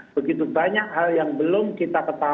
begitu banyak hal yang belum kita ketahui